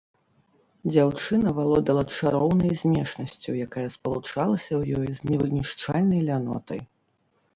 Дзяўчына валодала чароўнай знешнасцю, якая спалучалася ў ёй з невынішчальнай лянотай.